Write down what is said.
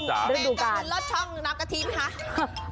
แมงกระพุนลอดช่องน้ำกะทิมค่ะ